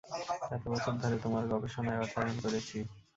এতবছর ধরে, তোমার গবেষণায় অর্থায়ন করেছি।